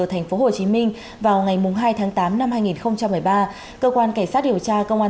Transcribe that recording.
thành phố hồ chí minh vào ngày hai tháng tám năm hai nghìn một mươi ba cơ quan cảnh sát điều tra công an